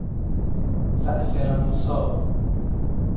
زعفران ساب